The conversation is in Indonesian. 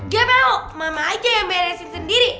gapau mama aja yang meresin sendiri